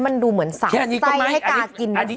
มันดูเหมือนสาดไส้ให้กากิน